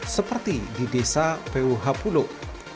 seperti di desa vuh puluk